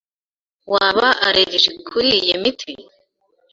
Waba allergic kuriyi miti?